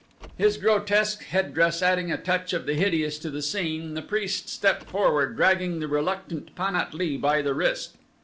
His grotesque headdress adding a touch of the hideous to the scene, the priest stepped forward dragging the reluctant Pan at lee by the wrist.